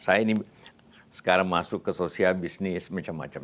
saya ini sekarang masuk ke sosial bisnis macam macam